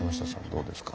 どうですか？